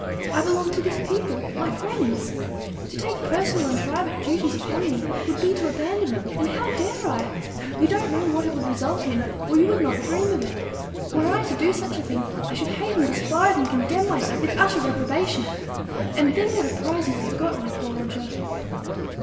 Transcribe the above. I belong to this people, my friends. To take personal and private duties upon me, would be to abandon them; and how dare I? You don't know what it would result in, or you would not dream of it. Were I to do such a thing, I should hate and despise and condemn myself with utter reprobation. And then what a prize you would have got, my poor Roger!"